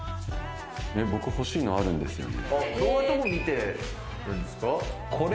僕、欲しいのあるんですよね。